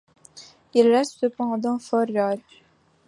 Il reste cependant fort rare.